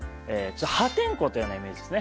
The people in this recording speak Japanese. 破天荒というようなイメージですね。